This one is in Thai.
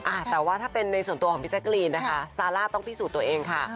อ่าแต่ว่าถ้าเป็นในส่วนตัวของพี่แจ๊กรีนนะคะซาร่าต้องพิสูจน์ตัวเองค่ะ